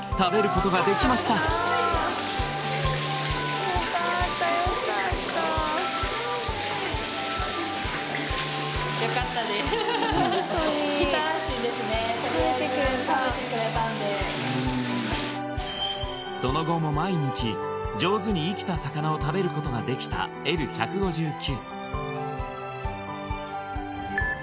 とりあえず食べてくれたんでその後も毎日上手に生きた魚を食べることができたＬ−１５９